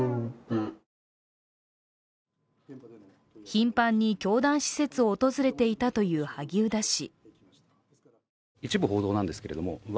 頻繁に教団施設を訪れていたという萩生田氏。